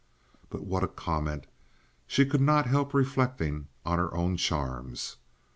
But what a comment, she could not help reflecting, on her own charms!